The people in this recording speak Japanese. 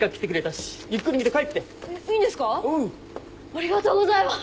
ありがとうございます！